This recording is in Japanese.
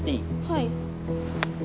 はい。